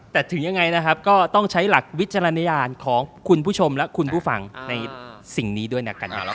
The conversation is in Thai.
แต่ถึงยังไงนะครับก็ต้องใช้หลักวิจารณญาณของคุณผู้ชมและคุณผู้ฟังในสิ่งนี้ด้วยนะครับ